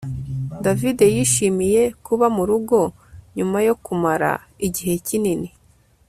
David yishimiye kuba murugo nyuma yo kumara igihe kinini